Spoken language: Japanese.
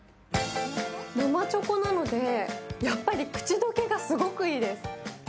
生チョコなのでやっぱり口溶けがすごくいいです。